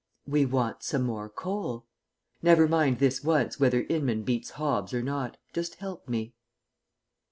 "We want some more coal. Never mind this once whether Inman beat Hobbs or not. Just help me."